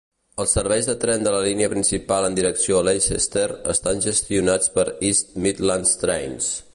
Els serveis de tren de la línia principal en direcció a Leicester estan gestionats per East Midlands Trains.